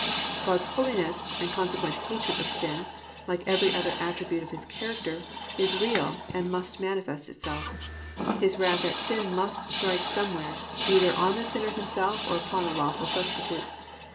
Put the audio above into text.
God's holiness and consequent hatred of sin, like every other attribute of His character, is real and must manifest itself. His wrath at sin must strike somewhere, either on the sinner himself or upon a lawful substitute.